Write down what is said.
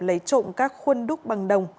lấy trộm các khuôn đúc bằng đồng